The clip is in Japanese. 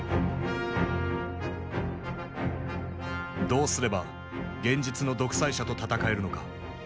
どうすれば現実の独裁者と闘えるのか。